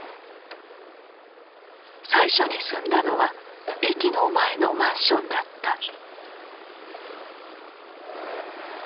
最初に住んだのは駅の前のマンションだった。